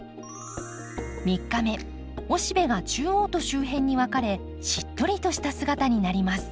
３日目雄しべが中央と周辺に分かれしっとりとした姿になります。